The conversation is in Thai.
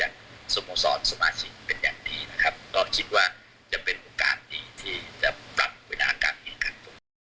ก็คิดว่าจะเป็นโอกาสดีที่จะปรับวินาฆการให้คำส